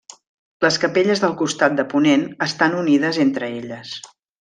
Les capelles del costat de ponent estan unides entre elles.